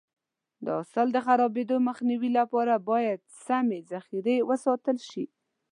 د حاصل د خرابېدو مخنیوي لپاره باید سمې ذخیره وساتل شي.